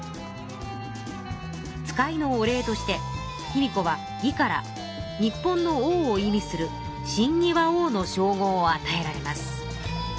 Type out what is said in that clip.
使いのお礼として卑弥呼は魏から日本の王を意味する親魏倭王のしょう号をあたえられます。